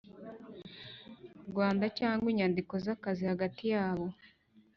Rwanda cyangwa inyandiko z akazi hagati yabo